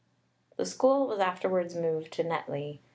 The School was afterwards moved to Netley.